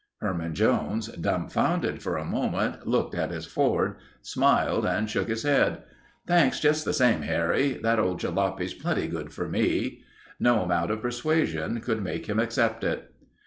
Herman Jones, dumbfounded for a moment, looked at his Ford, smiled, and shook his head. "Thanks just the same, Harry. That old jalopy's plenty good for me." No amount of persuasion could make him accept it.